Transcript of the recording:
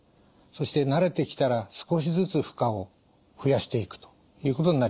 そして慣れてきたら少しずつ負荷を増やしていくということになります。